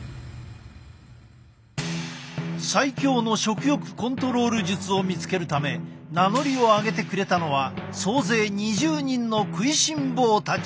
最強の食欲コントロール術を見つけるため名乗りを上げてくれたのは総勢２０人の食いしん坊たち。